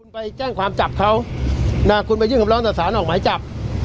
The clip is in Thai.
คุณไปแจ้งความจับเขานะคุณไปยื่นคำร้องต่อสารออกหมายจับ